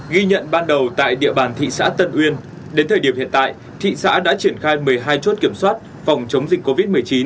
ghi nhận ban đầu tại địa bàn thị xã tân uyên đến thời điểm hiện tại thị xã đã triển khai một mươi hai chốt kiểm soát phòng chống dịch covid một mươi chín